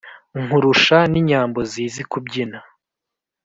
Nkurusha n'inyambo zizi kubyina